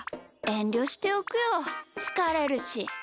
えんりょしておくよつかれるし。